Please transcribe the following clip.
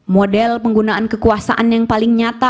model penggunaan kekuasaan yang paling nyata